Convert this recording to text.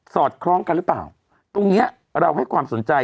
อดคล้องกันหรือเปล่าตรงเนี้ยเราให้ความสนใจ